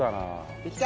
できた！